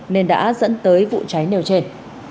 nên đã dẫn tới vụ cháy nêu trên